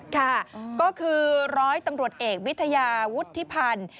ค่ะก็คือร้อยตำรวจเอกวิทยาวุฒิพันธ์